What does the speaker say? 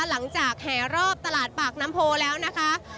แห่รอบตลาดปากน้ำโพแล้วนะคะ